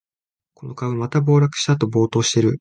この株、また暴落したあと暴騰してる